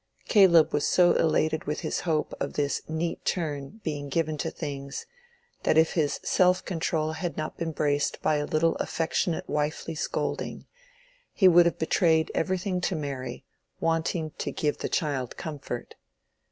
Caleb was so elated with his hope of this "neat turn" being given to things, that if his self control had not been braced by a little affectionate wifely scolding, he would have betrayed everything to Mary, wanting "to give the child comfort."